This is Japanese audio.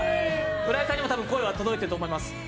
浦井さんにも多分声は届いていると思います。